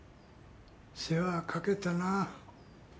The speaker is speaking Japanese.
世話掛けたな。